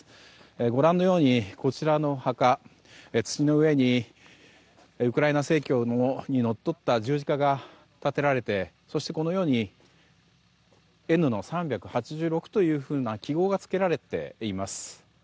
ご覧のようにこちらのお墓、土の上にウクライナ正教にのっとった十字架が立てられてそして、このようにＮの３８６というような記号が付けられています。